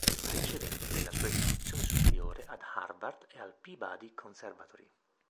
Ricevette la sua istruzione superiore ad Harvard e al Peabody Conservatory.